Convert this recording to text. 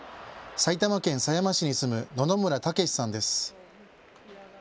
埼玉県狭山市に住む野々村毅さんです。